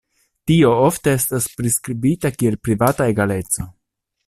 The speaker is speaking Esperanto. Tio ofte estas priskribita kiel privata egaleco.